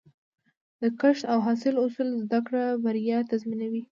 د کښت او حاصل اصول زده کړه، بریا تضمینوي.